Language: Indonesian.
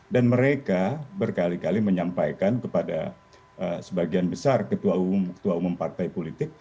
dan mereka berkali kali menyampaikan kepada sebagian besar ketua umum partai politik